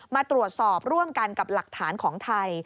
มาตรวจสอบร่วมกันกับหลักฐานของไทย